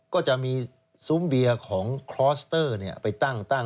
ก็จะมีซุ้มเบียร์ของคลอสเตอร์ไปตั้ง